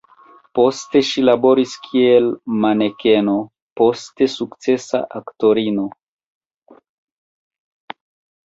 Poste ŝi laboris kiel manekeno, poste sukcesa aktorino.